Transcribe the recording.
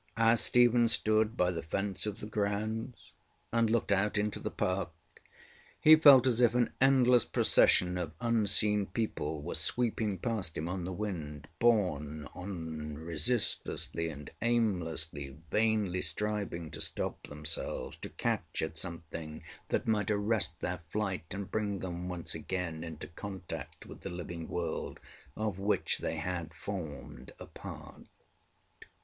As Stephen stood by the fence of the grounds, and looked out into the park, he felt as if an endless procession of unseen people were sweeping past him on the wind, borne on resistlessly and aimlessly, vainly striving to stop themselves, to catch at something that might arrest their flight and bring them once again into contact with the living world of which they had formed a part.